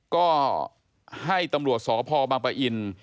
ก็ให้ตำรวจสพบอิน